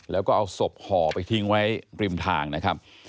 แล้วก็เอาศพห่อไปทิ้งไว้ริมทางนะครับ